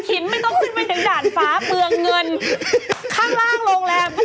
ไม่ต้องขึ้นไปถึงด่านฝาเผืองเงิน